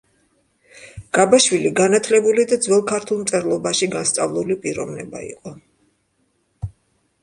გაბაშვილი განათლებული და ძველ ქართულ მწერლობაში განსწავლული პიროვნება იყო.